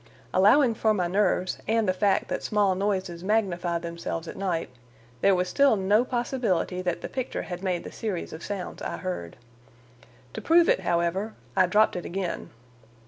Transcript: Allowing for my nerves and the fact that small noises magnify themselves at night, there was still no possibility that the picture had made the series of sounds I heard. To prove it, however, I dropped it again.